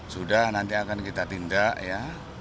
sudah nanti akan kita tindak ya